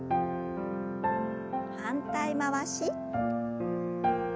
反対回し。